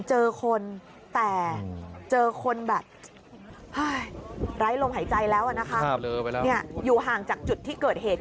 เจอคนแบบร้ายลมหายใจแล้วอยู่ห่างจากจุดที่เกิดเหตุ